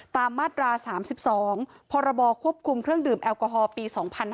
มาตรา๓๒พรบควบคุมเครื่องดื่มแอลกอฮอลปี๒๕๕๙